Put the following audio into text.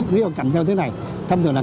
thứ này là cầm như thế này thông thường là